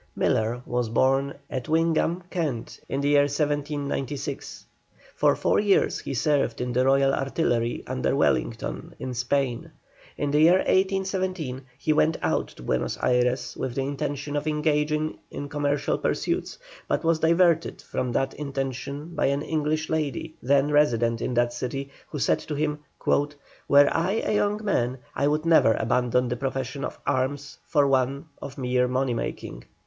MILLER was born at Wingham, Kent, in the year 1796. For four years he served in the Royal Artillery, under Wellington, in Spain. In the year 1817 he went out to Buenos Ayres with the intention of engaging in commercial pursuits, but was diverted from that intention by an English lady then resident in that city, who said to him, "Were I a young man I would never abandon the profession of arms for one of mere money making."